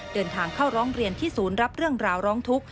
เดินทางเข้าร้องเรียนที่ศูนย์รับเรื่องราวร้องทุกข์